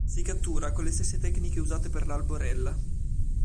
Si cattura con le stesse tecniche usate per l'alborella.